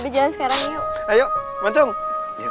jadi jalan sekarang yuk